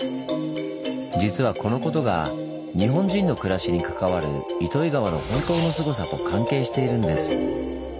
実はこのことが日本人の暮らしに関わる糸魚川の本当のすごさと関係しているんです。